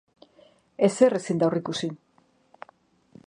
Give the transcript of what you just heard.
Ezer ezin da aurreikusi.